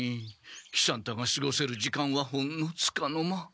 喜三太がすごせる時間はほんのつかの間。